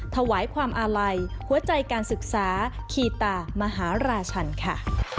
ถวายความอาลัยหัวใจการศึกษาคีตามหาราชันค่ะ